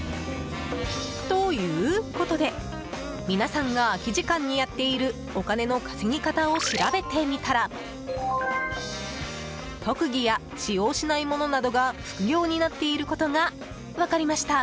ということで皆さんが空き時間にやっているお金の稼ぎ方を調べてみたら特技や使用しないものなどが副業になっていることが分かりました。